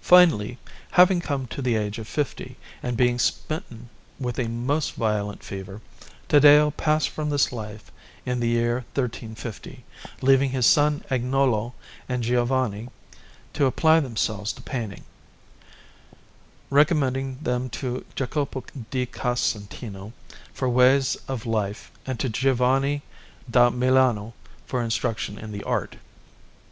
Finally, having come to the age of fifty and being smitten with a most violent fever, Taddeo passed from this life in the year 1350, leaving his son Agnolo and Giovanni to apply themselves to painting, recommending them to Jacopo di Casentino for ways of life and to Giovanni da Milano for instruction in the art.